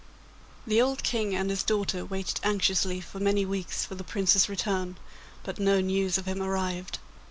The old King and his daughter waited anxiously for many weeks for the Prince's return, but no news of him arrived.